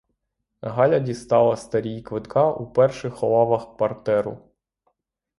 Галя дістала старій квитка у перших лавах партеру.